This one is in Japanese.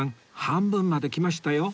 半分まで来ましたよ